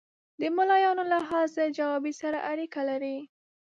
د ملایانو له حاضر جوابي سره اړیکې لري.